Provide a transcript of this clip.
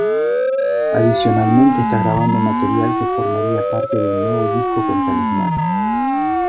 Adicionalmente está grabando material que formaría parte de un nuevo disco con Talisman.